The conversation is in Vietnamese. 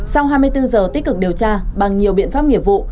sau hai mươi bốn giờ tích cực điều tra bằng nhiều biện pháp nghiệp vụ